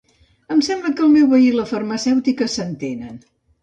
Em sembla que el meu veí i la farmacèutica s'entenen